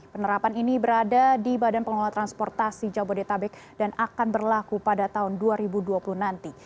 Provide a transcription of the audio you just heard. penerapan ini berada di badan pengelola transportasi jabodetabek dan akan berlaku pada tahun dua ribu dua puluh nanti